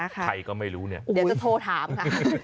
ใครก็ไม่รู้เนี่ยเดี๋ยวจะโทรถามค่ะ